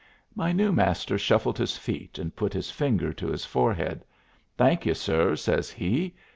My new Master shuffled his feet and put his finger to his forehead. "Thank you, sir," says he.